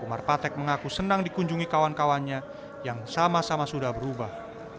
umar patek mengaku senang dikunjungi kawan kawannya yang sama sama sudah berubah